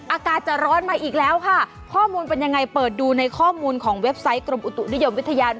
อากาศจะร้อนมาอีกแล้วค่ะข้อมูลเป็นยังไงเปิดดูในข้อมูลของเว็บไซต์กรมอุตุนิยมวิทยา